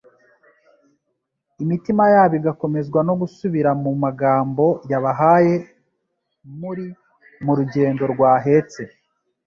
imitima yabo igakomezwa no gusubira mu magambo yabahaye muri mu rugendo rwahetse,